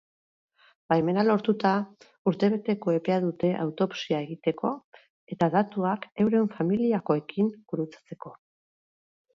Baimena lortuta, urtebeteko epea dute autopsia egiteko eta datuak euren familiakoekin gurutzatzeko.